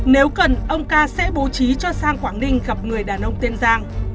nếu cần ông ca sẽ bố trí cho giang quảng ninh gặp người đàn ông tên giang